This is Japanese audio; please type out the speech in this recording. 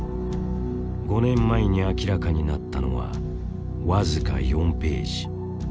５年前に明らかになったのは僅か４ページ。